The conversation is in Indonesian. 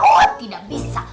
oh tidak bisa